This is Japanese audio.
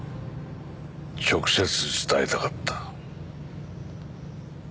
直接伝えたかった。